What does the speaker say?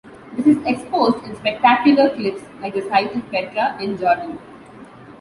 This is exposed in spectacular cliffs like the site of Petra in Jordan.